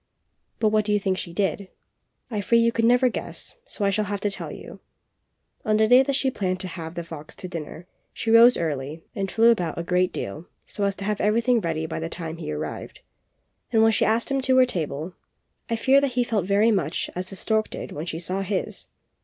But what do you think she did? I fear you never could guess, so I shall have to tell you On the day that she had planned to have the fox to dinner, she rose early and flew about a great deal so as to have everything ready by the time he arrived; and when she asked him to her table I fear that he felt very much as the stork did when she saw his.